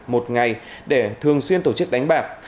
một ngày để thường xuyên tổ chức đánh bạc